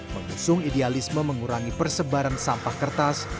mengusung idealisme mengurangi persebaran sampah kertas